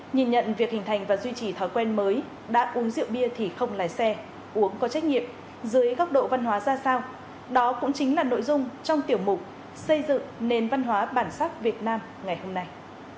nhìn nhận việc hình thành và duy trì thói quen mới đã uống rượu bia thì không lái xe uống có trách nhiệm dưới góc độ văn hóa ra sao đó cũng chính là nội dung trong tiểu mục xây dựng nền văn hóa bản sắc việt nam ngày hôm nay